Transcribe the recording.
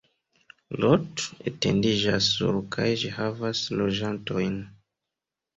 Lot etendiĝas sur kaj ĝi havas loĝantojn.